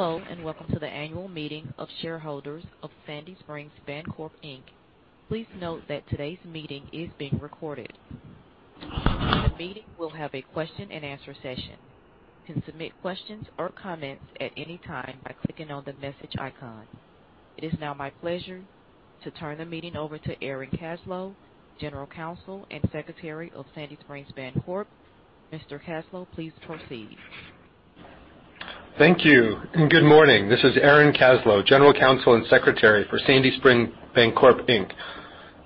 Hello, and welcome to the annual meeting of shareholders of Sandy Spring Bancorp, Inc. Please note that today's meeting is being recorded. The meeting will have a question-and-answer session. You can submit questions or comments at any time by clicking on the message icon. It is now my pleasure to turn the meeting over to Aaron Kaslow, General Counsel and Secretary of Sandy Spring Bancorp. Mr. Kaslow, please proceed. Thank you. Good morning. This is Aaron Kaslow, General Counsel and Secretary for Sandy Spring Bancorp, Inc.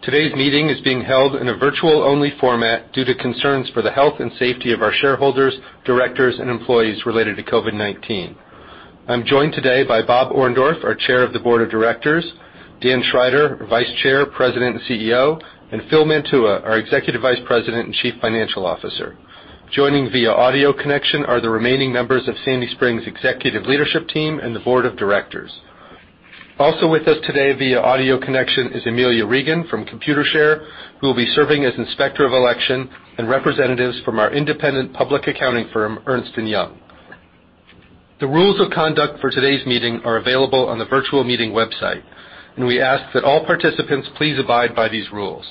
Today's meeting is being held in a virtual-only format due to concerns for the health and safety of our shareholders, directors, and employees related to COVID-19. I'm joined today by Bob Orndorff, our Chair of the Board of Directors, Dan Schrider, Vice Chair, President, and CEO, and Phil Mantua, our Executive Vice President and Chief Financial Officer. Joining via audio connection are the remaining members of Sandy Spring's executive leadership team and the board of directors. Also with us today via audio connection is Amilja Regan from Computershare, who will be serving as Inspector of Election, and representatives from our independent public accounting firm, Ernst & Young. The rules of conduct for today's meeting are available on the virtual meeting website, and we ask that all participants please abide by these rules.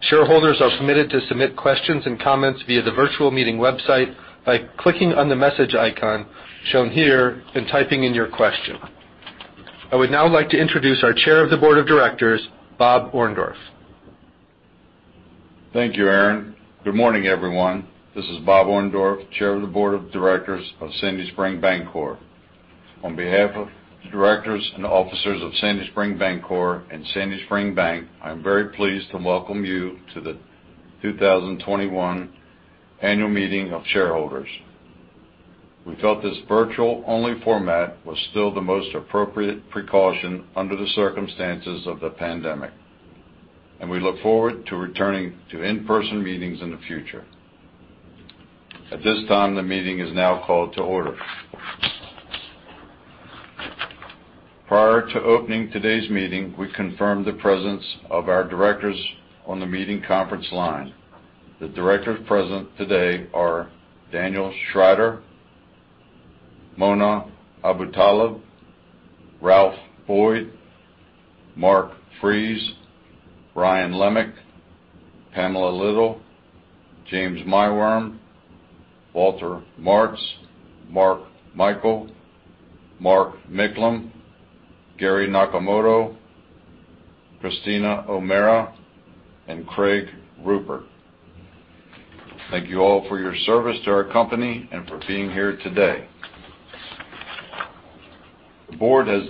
Shareholders are permitted to submit questions and comments via the virtual meeting website by clicking on the message icon shown here and typing in your question. I would now like to introduce our Chair of the Board of Directors, Bob Orndorff. Thank you, Aaron. Good morning, everyone. This is Robert Orndorff, Chair of the Board of Directors of Sandy Spring Bancorp. On behalf of the directors and officers of Sandy Spring Bancorp and Sandy Spring Bank, I'm very pleased to welcome you to the 2021 annual meeting of shareholders. We felt this virtual-only format was still the most appropriate precaution under the circumstances of the pandemic, and we look forward to returning to in-person meetings in the future. At this time, the meeting is now called to order. Prior to opening today's meeting, we confirmed the presence of our directors on the meeting conference line. The directors present today are Daniel Schrider, Mona Abutaleb, Ralph Boyd, Mark Friis, Brian Lemek, Pamela Little, James Maiwurm, Walter Martz, Mark Michael, Mark Micklem, Gary Nakamoto, Christina O'Meara, and Craig Ruppert. Thank you all for your service to our company and for being here today. The board has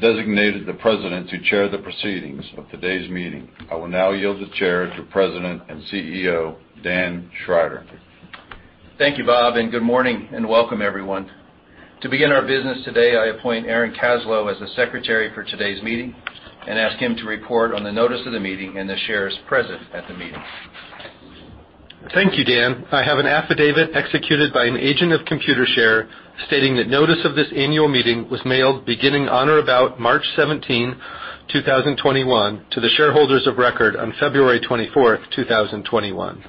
designated the President to chair the proceedings of today's meeting. I will now yield the chair to President and CEO, Dan Schrider. Thank you, Bob, and good morning, and welcome everyone. To begin our business today, I appoint Aaron Kaslow as the secretary for today's meeting and ask him to report on the notice of the meeting and the shares present at the meeting. Thank you, Dan. I have an affidavit executed by an agent of Computershare stating that notice of this annual meeting was mailed beginning on or about March 17th, 2021 to the shareholders of record on February 24th, 2021.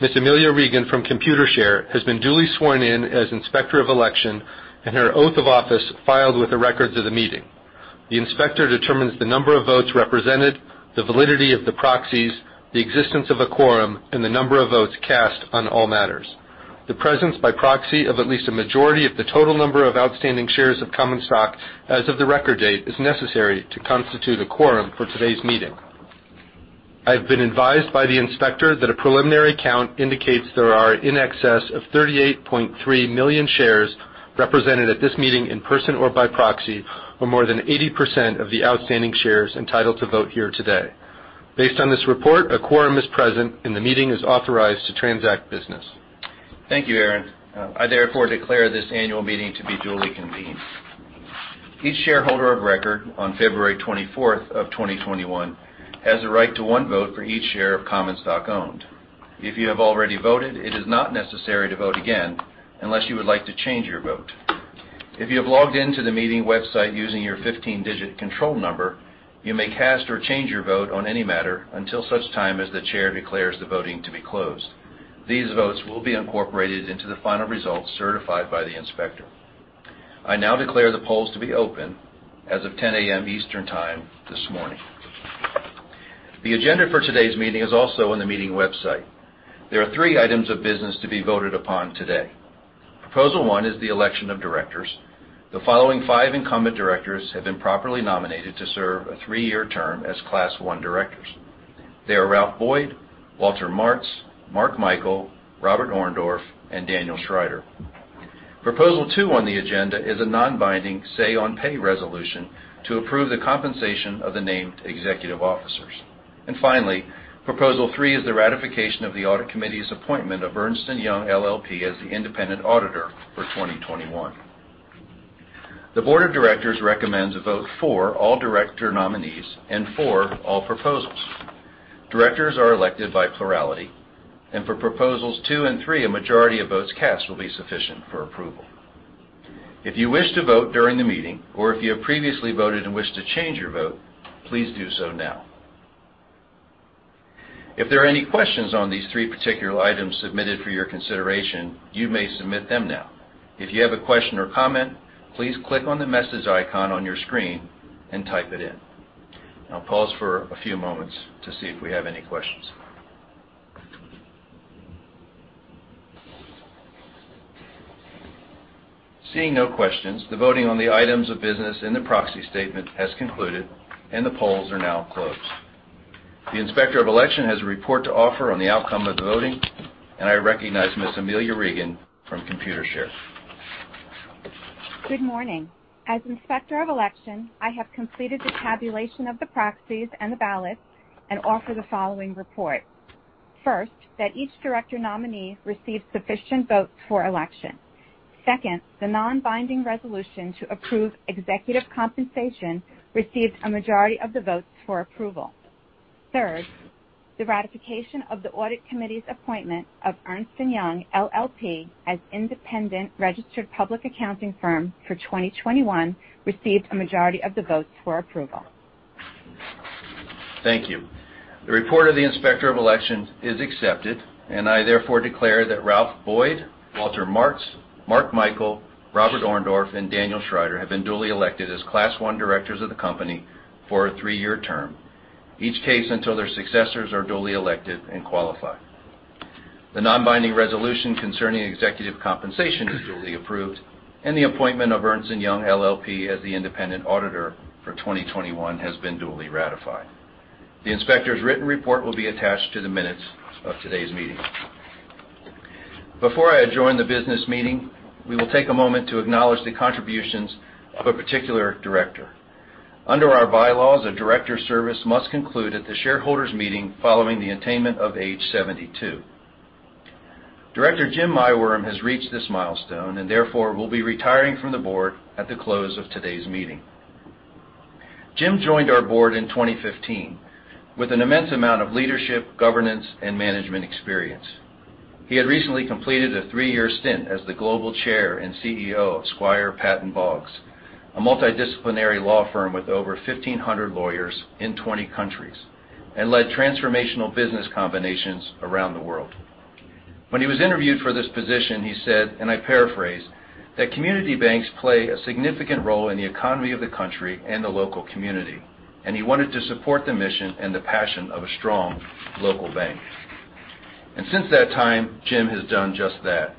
Miss Amilja Regan from Computershare has been duly sworn in as Inspector of Election and her oath of office filed with the records of the meeting. The inspector determines the number of votes represented, the validity of the proxies, the existence of a quorum, and the number of votes cast on all matters. The presence by proxy of at least a majority of the total number of outstanding shares of common stock as of the record date is necessary to constitute a quorum for today's meeting. I've been advised by the inspector that a preliminary count indicates there are in excess of 38.3 million shares represented at this meeting in person or by proxy, or more than 80% of the outstanding shares entitled to vote here today. Based on this report, a quorum is present, and the meeting is authorized to transact business. Thank you, Aaron. I therefore declare this annual meeting to be duly convened. Each shareholder of record on February 24th, 2021 has the right to one vote for each share of common stock owned. If you have already voted, it is not necessary to vote again unless you would like to change your vote. If you have logged in to the meeting website using your 15-digit control number, you may cast or change your vote on any matter until such time as the chair declares the voting to be closed. These votes will be incorporated into the final results certified by the inspector. I now declare the polls to be open as of 10:00 A.M. Eastern Time this morning. The agenda for today's meeting is also on the meeting website. There are three items of business to be voted upon today. Proposal one is the election of directors. The following five incumbent directors have been properly nominated to serve a three-year term as Class 1 directors. They are Ralph Boyd, Walter Martz, Mark Michael, Robert Orndorff, and Daniel Schrider. Proposal two on the agenda is a non-binding say on pay resolution to approve the compensation of the named executive officers. Finally, proposal three is the ratification of the audit committee's appointment of Ernst & Young LLP as the independent auditor for 2021. The board of directors recommends a vote for all director nominees and for all proposals. Directors are elected by plurality, For proposals two and three, a majority of votes cast will be sufficient for approval. If you wish to vote during the meeting or if you have previously voted and wish to change your vote, please do so now. If there are any questions on these three particular items submitted for your consideration, you may submit them now. If you have a question or comment, please click on the message icon on your screen and type it in. I'll pause for a few moments to see if we have any questions. Seeing no questions, the voting on the items of business in the proxy statement has concluded, and the polls are now closed. The Inspector of Election has a report to offer on the outcome of the voting, and I recognize Ms. Amilja Regan from Computershare. Good morning. As Inspector of Election, I have completed the tabulation of the proxies and the ballots and offer the following report. First, that each director nominee received sufficient votes for election. Second, the non-binding resolution to approve executive compensation received a majority of the votes for approval. Third, the ratification of the audit committee's appointment of Ernst & Young LLP as independent registered public accounting firm for 2021 received a majority of the votes for approval. Thank you. The report of the Inspector of Election is accepted, and I therefore declare that Ralph Boyd, Walter Martz, Mark Michael, Robert Orndorff, and Daniel Schrider have been duly elected as Class 1 directors of the company for a three-year term, each case until their successors are duly elected and qualified. The non-binding resolution concerning executive compensation is duly approved, and the appointment of Ernst & Young LLP as the independent auditor for 2021 has been duly ratified. The inspector's written report will be attached to the minutes of today's meeting. Before I adjourn the business meeting, we will take a moment to acknowledge the contributions of a particular director. Under our bylaws, a director's service must conclude at the shareholders' meeting following the attainment of age 72. Director James Maiwurm has reached this milestone and therefore will be retiring from the board at the close of today's meeting. Jim joined our board in 2015 with an immense amount of leadership, governance, and management experience. He had recently completed a three-year stint as the global chair and CEO of Squire Patton Boggs, a multidisciplinary law firm with over 1,500 lawyers in 20 countries, and led transformational business combinations around the world. When he was interviewed for this position, he said, and I paraphrase, that community banks play a significant role in the economy of the country and the local community, and he wanted to support the mission and the passion of a strong local bank. Since that time, Jim has done just that.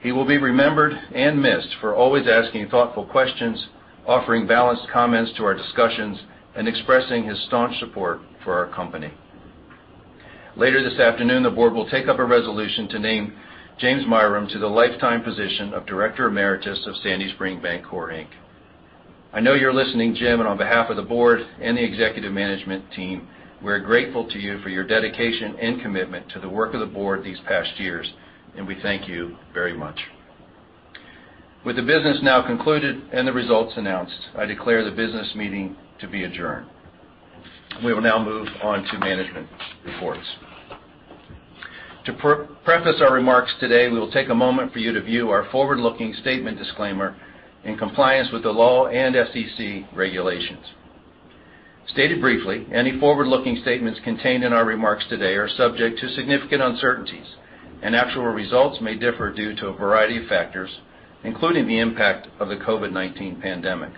He will be remembered and missed for always asking thoughtful questions, offering balanced comments to our discussions, and expressing his staunch support for our company. Later this afternoon, the board will take up a resolution to name James Maiwurm to the lifetime position of Director Emeritus of Sandy Spring Bancorp, Inc. I know you're listening, Jim, and on behalf of the board and the executive management team. We're grateful to you for your dedication and commitment to the work of the board these past years. We thank you very much. With the business now concluded and the results announced, I declare the business meeting to be adjourned. We will now move on to management reports. To preface our remarks today, we will take a moment for you to view our forward-looking statement disclaimer in compliance with the law and SEC regulations. Stated briefly, any forward-looking statements contained in our remarks today are subject to significant uncertainties, and actual results may differ due to a variety of factors, including the impact of the COVID-19 pandemic.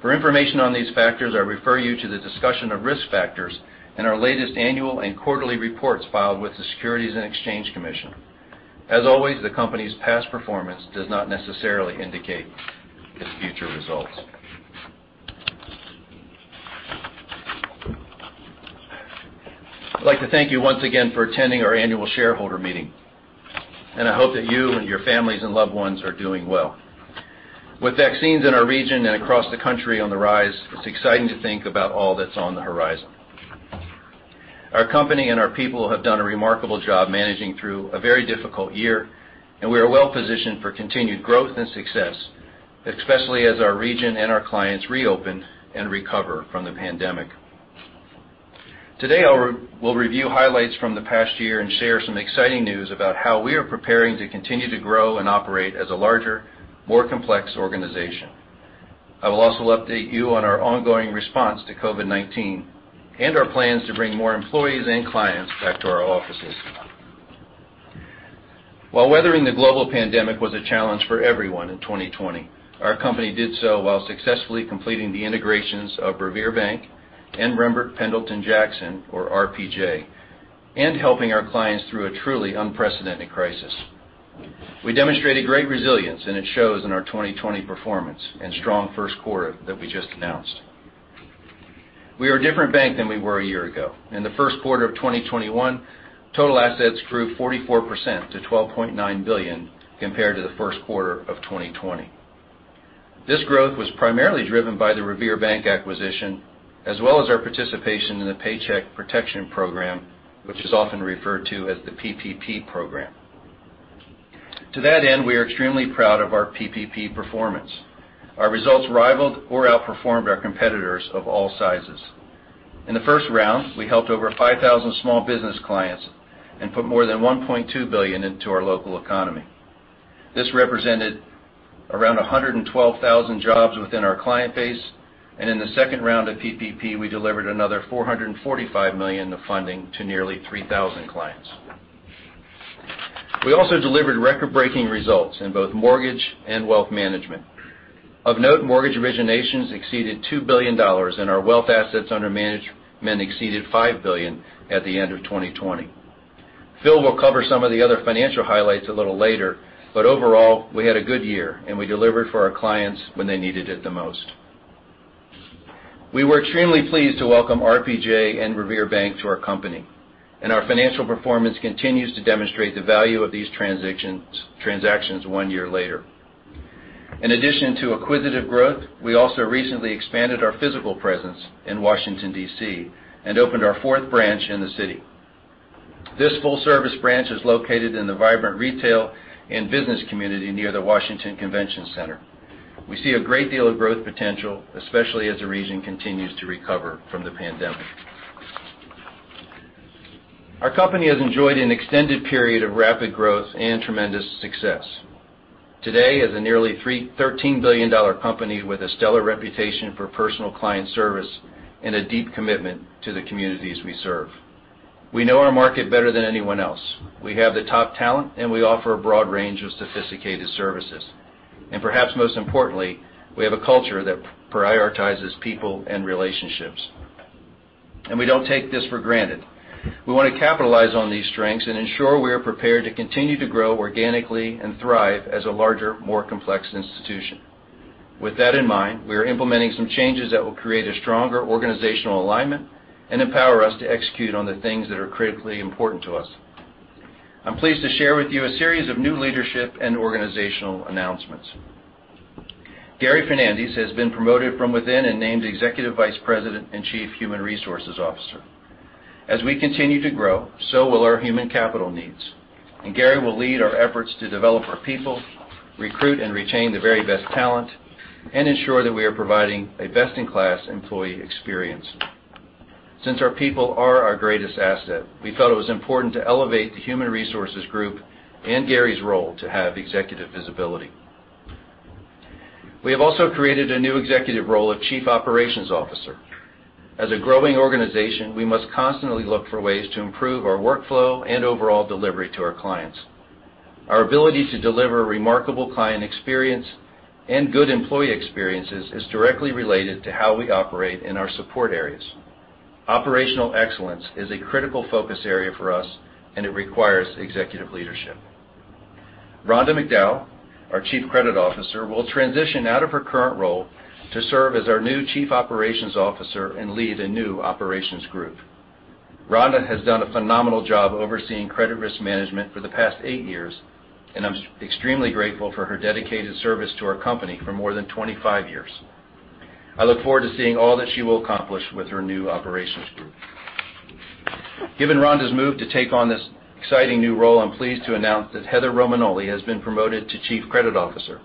For information on these factors, I refer you to the discussion of risk factors in our latest annual and quarterly reports filed with the Securities and Exchange Commission. As always, the company's past performance does not necessarily indicate its future results. I'd like to thank you once again for attending our annual shareholder meeting. I hope that you and your families and loved ones are doing well. With vaccines in our region and across the country on the rise, it's exciting to think about all that's on the horizon. Our company and our people have done a remarkable job managing through a very difficult year, and we are well-positioned for continued growth and success, especially as our region and our clients reopen and recover from the pandemic. Today, we'll review highlights from the past year and share some exciting news about how we are preparing to continue to grow and operate as a larger, more complex organization. I will also update you on our ongoing response to COVID-19 and our plans to bring more employees and clients back to our offices. While weathering the global pandemic was a challenge for everyone in 2020, our company did so while successfully completing the integrations of Revere Bank and Rembert Pendleton Jackson, or RPJ, and helping our clients through a truly unprecedented crisis. We demonstrated great resilience, and it shows in our 2020 performance and strong first quarter that we just announced. We are a different bank than we were a year ago. In the first quarter of 2021, total assets grew 44% to $12.9 billion compared to the first quarter of 2020. This growth was primarily driven by the Revere Bank acquisition, as well as our participation in the Paycheck Protection Program, which is often referred to as the PPP program. To that end, we are extremely proud of our PPP performance. Our results rivaled or outperformed our competitors of all sizes. In the first round, we helped over 5,000 small business clients and put more than $1.2 billion into our local economy. This represented around 112,000 jobs within our client base, and in the second round of PPP, we delivered another $445 million of funding to nearly 3,000 clients. We also delivered record-breaking results in both mortgage and wealth management. Of note, mortgage originations exceeded $2 billion, and our wealth assets under management exceeded $5 billion at the end of 2020. Phil will cover some of the other financial highlights a little later. Overall, we had a good year, and we delivered for our clients when they needed it the most. We were extremely pleased to welcome RPJ and Revere Bank to our company, and our financial performance continues to demonstrate the value of these transactions one year later. In addition to acquisitive growth, we also recently expanded our physical presence in Washington, D.C., and opened our fourth branch in the city. This full-service branch is located in the vibrant retail and business community near the Washington Convention Center. We see a great deal of growth potential, especially as the region continues to recover from the pandemic. Our company has enjoyed an extended period of rapid growth and tremendous success. Today, as a nearly $13 billion company with a stellar reputation for personal client service and a deep commitment to the communities we serve. We know our market better than anyone else. We have the top talent, we offer a broad range of sophisticated services. Perhaps most importantly, we have a culture that prioritizes people and relationships. We don't take this for granted. We want to capitalize on these strengths and ensure we are prepared to continue to grow organically and thrive as a larger, more complex institution. With that in mind, we are implementing some changes that will create a stronger organizational alignment and empower us to execute on the things that are critically important to us. I'm pleased to share with you a series of new leadership and organizational announcements. Gary Fernandes has been promoted from within and named Executive Vice President and Chief Human Resources Officer. As we continue to grow, so will our human capital needs. Gary will lead our efforts to develop our people, recruit and retain the very best talent, and ensure that we are providing a best-in-class employee experience. Since our people are our greatest asset, we felt it was important to elevate the human resources group and Gary's role to have executive visibility. We have also created a new executive role of Chief Operations Officer. As a growing organization, we must constantly look for ways to improve our workflow and overall delivery to our clients. Our ability to deliver a remarkable client experience and good employee experiences is directly related to how we operate in our support areas. Operational excellence is a critical focus area for us, and it requires executive leadership. Ronda McDowell, our Chief Credit Officer, will transition out of her current role to serve as our new Chief Operations Officer and lead a new operations group. Ronda has done a phenomenal job overseeing credit risk management for the past eight years, and I'm extremely grateful for her dedicated service to our company for more than 25 years. I look forward to seeing all that she will accomplish with her new operations group. Given Ronda's move to take on this exciting new role, I'm pleased to announce that Heather Romagnoli has been promoted to Chief Credit Officer.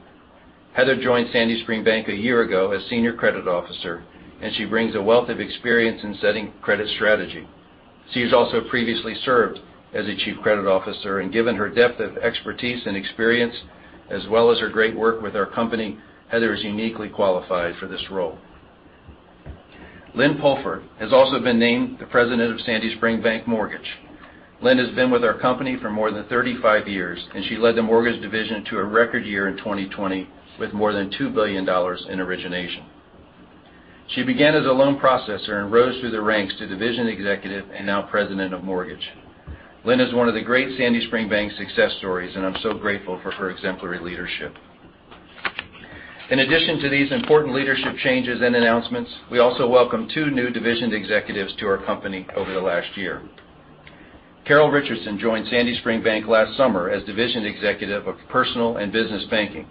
Heather joined Sandy Spring Bank a year ago as Senior Credit Officer, and she brings a wealth of experience in setting credit strategy. She has also previously served as a Chief Credit Officer, and given her depth of expertise and experience, as well as her great work with our company, Heather Romagnoli is uniquely qualified for this role. Lynne Pulford has also been named the President of Sandy Spring Bank Mortgage. Lynne has been with our company for more than 35 years, and she led the mortgage division to a record year in 2020 with more than $2 billion in origination. She began as a loan processor and rose through the ranks to division executive and now president of mortgage. Lynne is one of the great Sandy Spring Bank success stories, and I'm so grateful for her exemplary leadership. In addition to these important leadership changes and announcements, we also welcome two new division executives to our company over the last year. Carol Richardson joined Sandy Spring Bank last summer as Division Executive of Personal and Business Banking.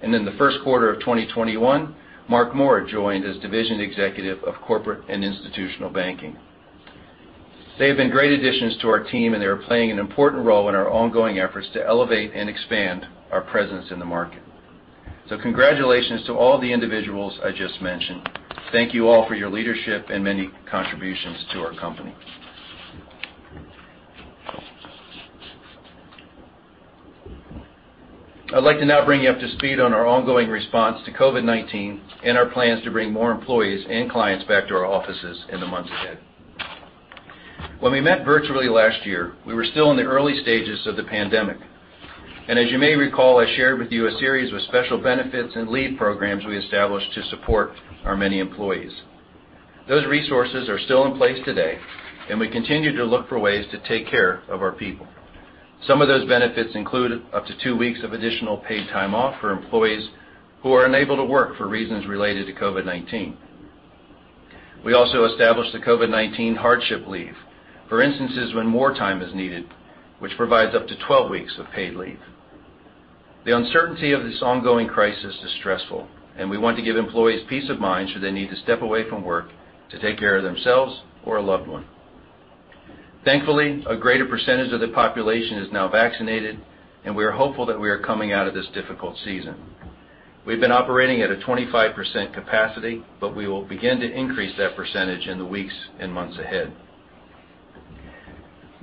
In the first quarter of 2021, Mark Moore joined as Division Executive of Corporate and Institutional Banking. They have been great additions to our team, and they are playing an important role in our ongoing efforts to elevate and expand our presence in the market. Congratulations to all the individuals I just mentioned. Thank you all for your leadership and many contributions to our company. I'd like to now bring you up to speed on our ongoing response to COVID-19 and our plans to bring more employees and clients back to our offices in the months ahead. When we met virtually last year, we were still in the early stages of the pandemic. As you may recall, I shared with you a series of special benefits and leave programs we established to support our many employees. Those resources are still in place today, and we continue to look for ways to take care of our people. Some of those benefits include up to two weeks of additional paid time off for employees who are unable to work for reasons related to COVID-19. We also established the COVID-19 hardship leave for instances when more time is needed, which provides up to 12 weeks of paid leave. The uncertainty of this ongoing crisis is stressful, and we want to give employees peace of mind should they need to step away from work to take care of themselves or a loved one. Thankfully, a greater percentage of the population is now vaccinated, and we are hopeful that we are coming out of this difficult season. We've been operating at a 25% capacity. We will begin to increase that percentage in the weeks and months ahead.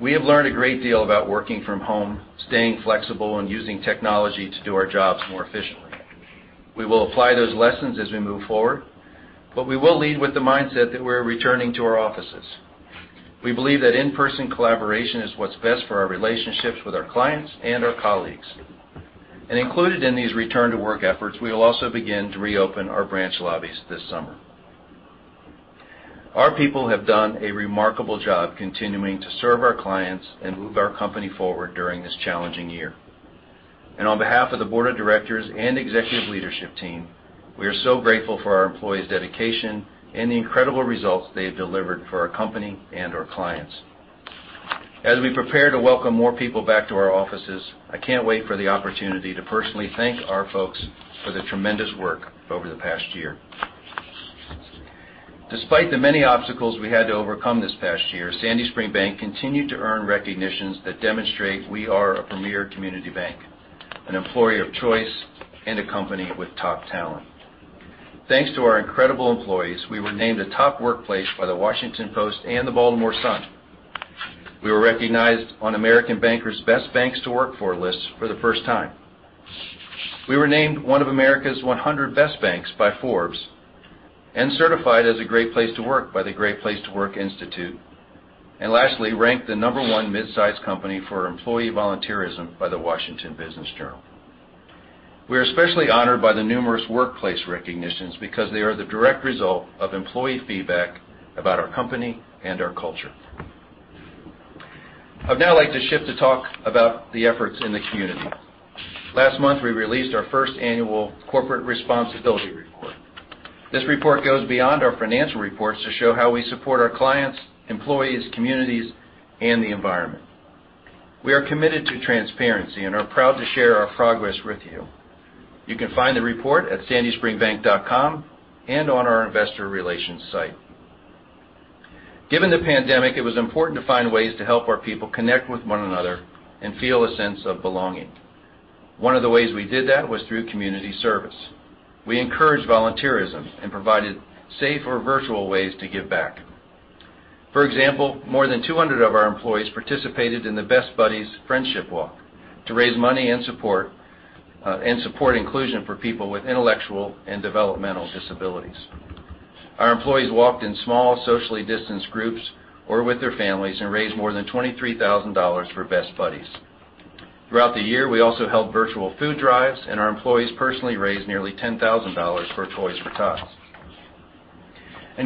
We have learned a great deal about working from home, staying flexible, and using technology to do our jobs more efficiently. We will apply those lessons as we move forward. We will lead with the mindset that we're returning to our offices. We believe that in-person collaboration is what's best for our relationships with our clients and our colleagues. Included in these return-to-work efforts, we will also begin to reopen our branch lobbies this summer. Our people have done a remarkable job continuing to serve our clients and move our company forward during this challenging year. On behalf of the board of directors and executive leadership team, we are so grateful for our employees' dedication and the incredible results they have delivered for our company and our clients. As we prepare to welcome more people back to our offices, I can't wait for the opportunity to personally thank our folks for the tremendous work over the past year. Despite the many obstacles we had to overcome this past year, Sandy Spring Bank continued to earn recognitions that demonstrate we are a premier community bank, an employer of choice, and a company with top talent. Thanks to our incredible employees, we were named a top workplace by The Washington Post and The Baltimore Sun. We were recognized on American Banker's Best Banks to Work For list for the first time. We were named one of America's 100 Best Banks by Forbes, and certified as a great place to work by the Great Place to Work Institute, and lastly, ranked the number one midsize company for employee volunteerism by the Washington Business Journal. We are especially honored by the numerous workplace recognitions because they are the direct result of employee feedback about our company and our culture. I'd now like to shift to talk about the efforts in the community. Last month, we released our first annual corporate responsibility report. This report goes beyond our financial reports to show how we support our clients, employees, communities, and the environment. We are committed to transparency and are proud to share our progress with you. You can find the report at sandyspringbank.com and on our investor relations site. Given the pandemic, it was important to find ways to help our people connect with one another and feel a sense of belonging. One of the ways we did that was through community service. We encouraged volunteerism and provided safe or virtual ways to give back. For example, more than 200 of our employees participated in the Best Buddies Friendship Walk to raise money and support inclusion for people with intellectual and developmental disabilities. Our employees walked in small, socially distanced groups or with their families and raised more than $23,000 for Best Buddies. Throughout the year, we also held virtual food drives, our employees personally raised nearly $10,000 for Toys for Tots.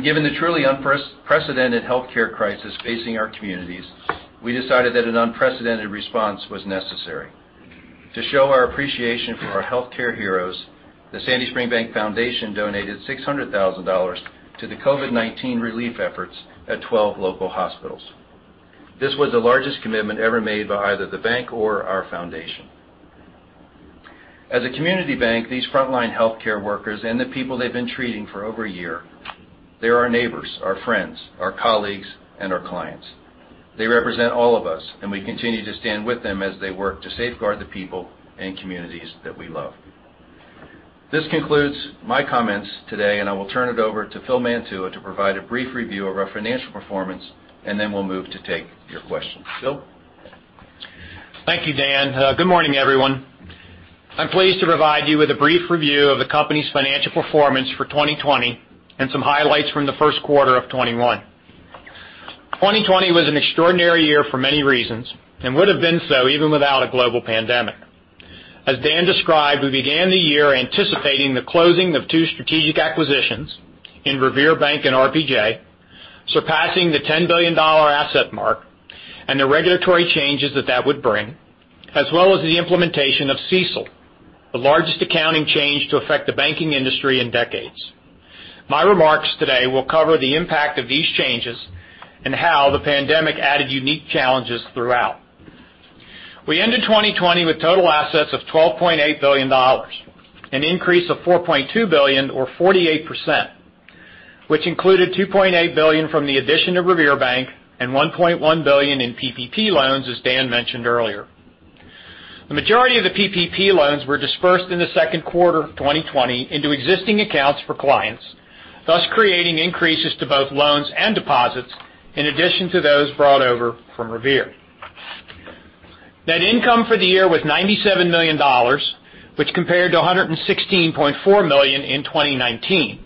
Given the truly unprecedented healthcare crisis facing our communities, we decided that an unprecedented response was necessary. To show our appreciation for our healthcare heroes, the Sandy Spring Bank Foundation donated $600,000 to the COVID-19 relief efforts at 12 local hospitals. This was the largest commitment ever made by either the bank or our foundation. As a community bank, these frontline healthcare workers and the people they've been treating for over a year, they're our neighbors, our friends, our colleagues, and our clients. They represent all of us, and we continue to stand with them as they work to safeguard the people and communities that we love. This concludes my comments today, and I will turn it over to Phil Mantua to provide a brief review of our financial performance, and then we'll move to take your questions. Phil? Thank you, Dan. Good morning, everyone. I'm pleased to provide you with a brief review of the company's financial performance for 2020 and some highlights from the first quarter of 2021. 2020 was an extraordinary year for many reasons and would've been so even without a global pandemic. As Dan described, we began the year anticipating the closing of two strategic acquisitions in Revere Bank and RPJ, surpassing the $10 billion asset mark, and the regulatory changes that that would bring, as well as the implementation of CECL. The largest accounting change to affect the banking industry in decades. My remarks today will cover the impact of these changes and how the pandemic added unique challenges throughout. We ended 2020 with total assets of $12.8 billion, an increase of $4.2 billion, or 48%, which included $2.8 billion from the addition of Revere Bank and $1.1 billion in PPP loans, as Dan mentioned earlier. The majority of the PPP loans were disbursed in the second quarter of 2020 into existing accounts for clients, thus creating increases to both loans and deposits, in addition to those brought over from Revere. Net income for the year was $97 million, which compared to $116.4 million in 2019,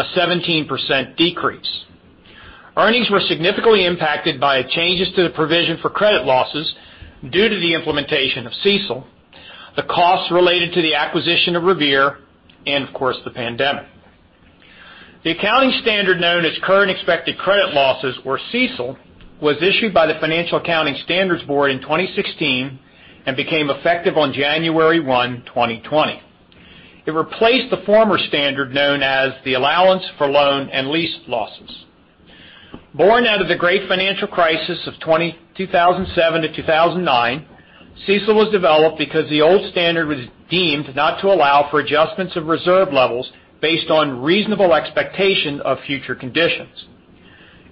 a 17% decrease. Earnings were significantly impacted by changes to the provision for credit losses due to the implementation of CECL, the costs related to the acquisition of Revere, and of course, the pandemic. The accounting standard known as Current Expected Credit Losses, or CECL, was issued by the Financial Accounting Standards Board in 2016 and became effective on January 1st, 2020. It replaced the former standard known as the Allowance for Loan and Lease Losses. Born out of the great financial crisis of 2007 to 2009, CECL was developed because the old standard was deemed not to allow for adjustments of reserve levels based on reasonable expectation of future conditions.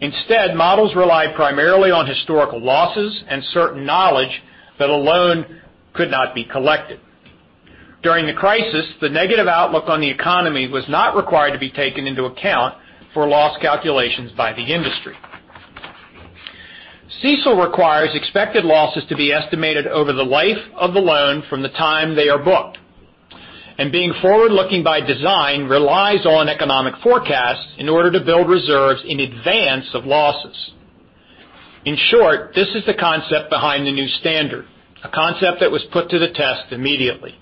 Instead, models relied primarily on historical losses and certain knowledge that a loan could not be collected. During the crisis, the negative outlook on the economy was not required to be taken into account for loss calculations by the industry. CECL requires expected losses to be estimated over the life of the loan from the time they are booked. Being forward-looking by design relies on economic forecasts in order to build reserves in advance of losses. In short, this is the concept behind the new standard, a concept that was put to the test immediately.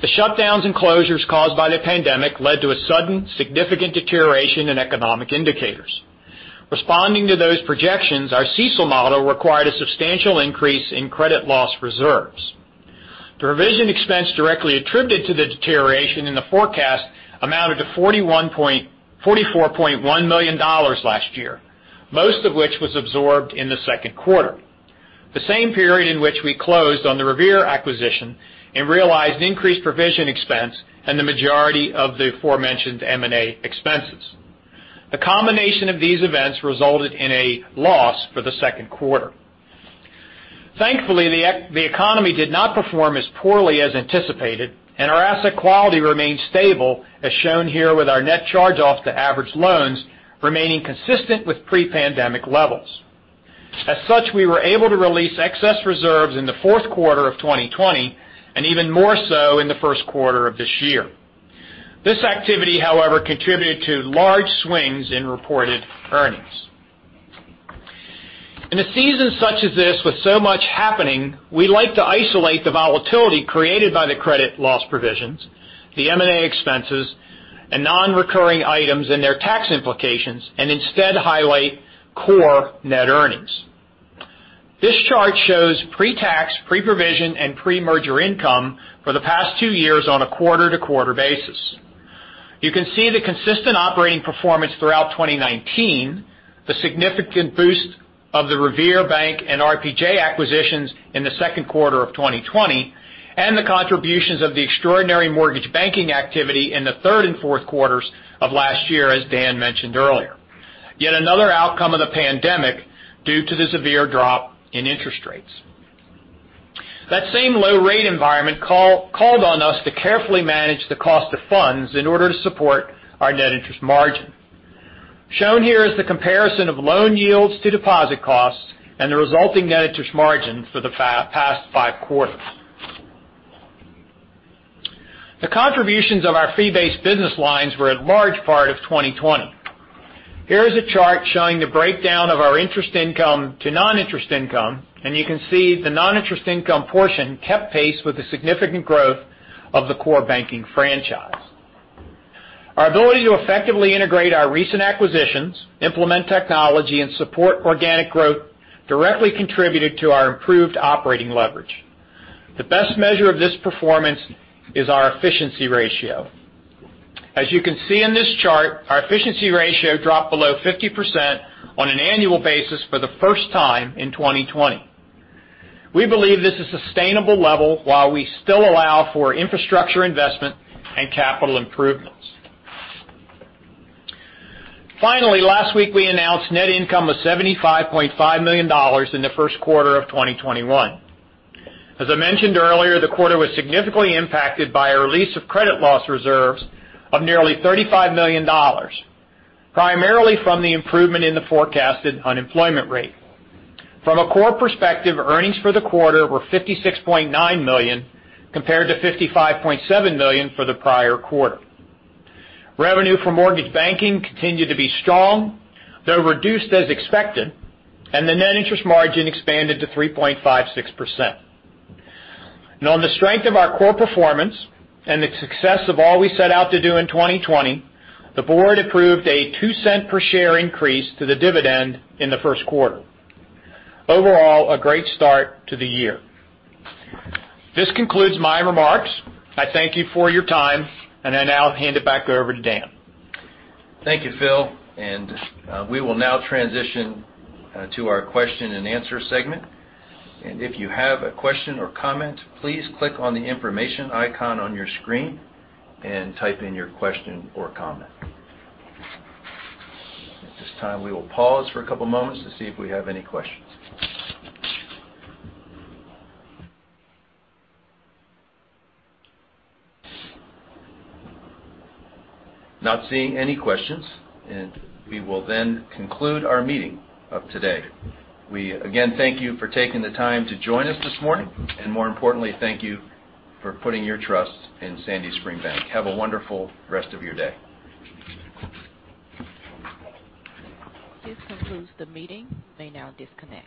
The shutdowns and closures caused by the pandemic led to a sudden significant deterioration in economic indicators. Responding to those projections, our CECL model required a substantial increase in credit loss reserves. The provision expense directly attributed to the deterioration in the forecast amounted to $44.1 million last year. Most of which was absorbed in the second quarter, the same period in which we closed on the Revere acquisition and realized increased provision expense and the majority of the aforementioned M&A expenses. The combination of these events resulted in a loss for the second quarter. Thankfully, the economy did not perform as poorly as anticipated, and our asset quality remained stable, as shown here with our net charge-off to average loans remaining consistent with pre-pandemic levels. As such, we were able to release excess reserves in the fourth quarter of 2020, and even more so in the first quarter of this year. This activity, however, contributed to large swings in reported earnings. In a season such as this with so much happening, we like to isolate the volatility created by the credit loss provisions, the M&A expenses, and non-recurring items and their tax implications, and instead highlight core net earnings. This chart shows pre-tax, pre-provision, and pre-merger income for the past two years on a quarter-to-quarter basis. You can see the consistent operating performance throughout 2019, the significant boost of the Revere Bank and RPJ acquisitions in the second quarter of 2020, and the contributions of the extraordinary mortgage banking activity in the third and fourth quarters of last year, as Dan mentioned earlier. Yet another outcome of the pandemic due to the severe drop in interest rates. That same low rate environment called on us to carefully manage the cost of funds in order to support our net interest margin. Shown here is the comparison of loan yields to deposit costs and the resulting net interest margin for the past five quarters. The contributions of our fee-based business lines were a large part of 2020. Here is a chart showing the breakdown of our interest income to non-interest income, and you can see the non-interest income portion kept pace with the significant growth of the core banking franchise. Our ability to effectively integrate our recent acquisitions, implement technology, and support organic growth directly contributed to our improved operating leverage. The best measure of this performance is our efficiency ratio. As you can see in this chart, our efficiency ratio dropped below 50% on an annual basis for the first time in 2020. We believe this is a sustainable level while we still allow for infrastructure investment and capital improvements. Last week, we announced net income of $75.5 million in the first quarter of 2021. As I mentioned earlier, the quarter was significantly impacted by a release of credit loss reserves of nearly $35 million, primarily from the improvement in the forecasted unemployment rate. From a core perspective, earnings for the quarter were $56.9 million, compared to $55.7 million for the prior quarter. Revenue for mortgage banking continued to be strong, though reduced as expected, and the net interest margin expanded to 3.56%. On the strength of our core performance and the success of all we set out to do in 2020, the board approved a $0.02 per share increase to the dividend in the first quarter. Overall, a great start to the year. This concludes my remarks. I thank you for your time, and I now hand it back over to Dan. Thank you, Phil. We will now transition to our question-and-answer segment. If you have a question or comment, please click on the information icon on your screen and type in your question or comment. At this time, we will pause for a couple of moments to see if we have any questions. Not seeing any questions, we will then conclude our meeting of today. We again thank you for taking the time to join us this morning, and more importantly, thank you for putting your trust in Sandy Spring Bank. Have a wonderful rest of your day. This concludes the meeting. You may now disconnect.